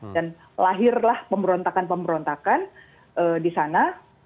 dan lahirlah pemberontakan pemberontakan di sana